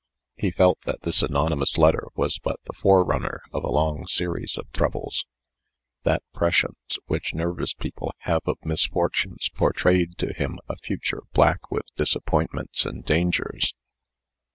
He felt that this anonymous letter was but the forerunner of a long series of troubles. That prescience which nervous people have of misfortunes portrayed to him a future black with disappointments and dangers.